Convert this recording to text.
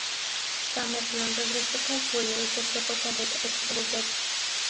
Tamerlán regresó con furia y saqueó por completo el resto de Georgia.